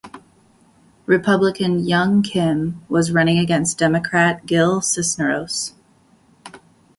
Republican Young Kim was running against Democrat Gil Cisneros.